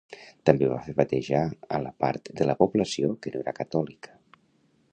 També va fer batejar a la part de la població que no era catòlica.